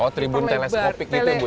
oh tribun teleskopik gitu ya bu ya